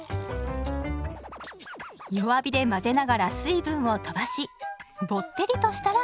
弱火で混ぜながら水分をとばしぼってりとしたらＯＫ！